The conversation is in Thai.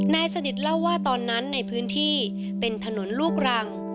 นายสนิทเล่าว่าตอนนั้นในพื้นที่เป็นถนนลูกรัง